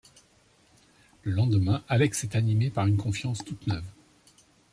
Le lendemain, Alex est animé par une confiance toute neuve.